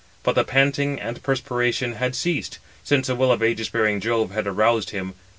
But the panting and perspiration had ceased, since the will of ægis bearing Jove had aroused him.